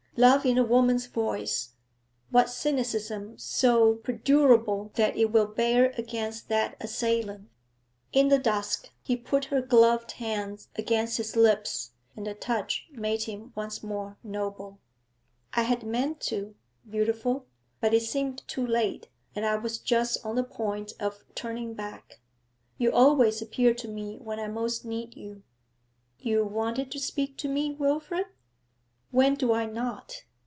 Love in a woman's voice what cynicism so perdurable that it will bear against that assailant? In the dusk, he put her gloved hand against his lips, and the touch made him once more noble. 'I had meant to, beautiful, but it seemed too late, and I was just on the point of turning back. You always appear to me when I most need you.' 'You wanted to speak to me, Wilfrid?' 'When do I not?